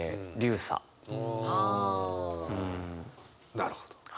なるほど。